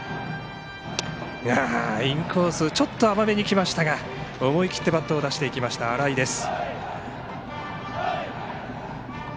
インコースちょっと甘めにきましたが思い切ってバットを出していきました、新井です。